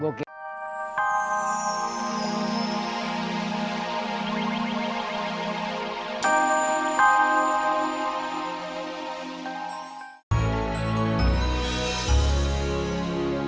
kalau kita enggak dagang